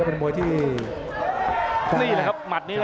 อัศวินาศาสตร์